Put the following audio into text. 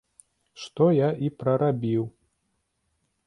Што я і прарабіў.